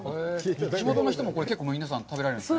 地元の人も結構食べられるんですか？